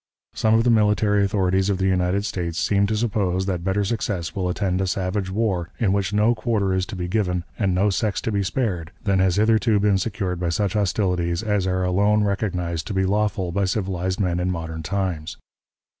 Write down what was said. Some of the military authorities of the United States seem to suppose that better success will attend a savage war in which no quarter is to be given and no sex to be spared than has hitherto been secured by such hostilities as are alone recognized to be lawful by civilized men in modern times.